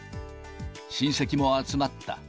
親戚も集まった。